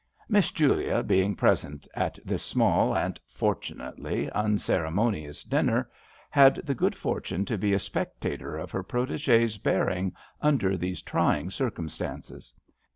" Miss Julia," being present at this small, and (fortunately) un ceremonious dinner, had the good fortune to be a spectator of her protege's bearing under these trying circumstances.